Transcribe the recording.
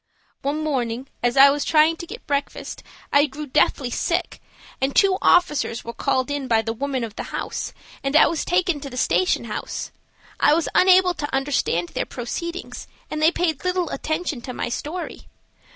"One morning as I was trying to get breakfast I grew deathly sick, and two officers were called in by the woman of the house, and I was taken to the station house. I was unable to understand their proceedings, and they paid little attention to my story.